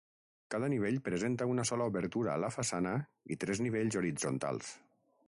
Cada nivell presenta una sola obertura a la façana i tres nivells horitzontals.